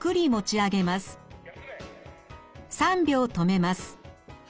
３秒止めます。